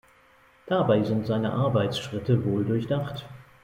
Dabei sind seine Arbeitsschritte wohl durchdacht.